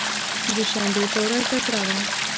دوشنبې په ورځ جګړه وه.